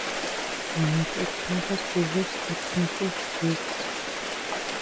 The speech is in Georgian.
მიეკუთვნება ზულუს ეთნიკურ ჯგუფს.